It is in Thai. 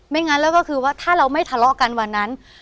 งั้นแล้วก็คือว่าถ้าเราไม่ทะเลาะกันวันนั้น